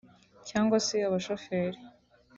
cyangwa se abashoferi